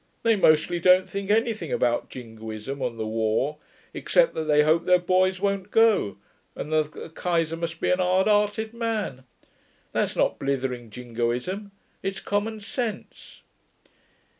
They mostly don't think anything about jingoism or the war, except that they hope their boys won't go, and that the Keyser must be an 'ard 'earted man. That's not blithering jingoism, it's common sense.'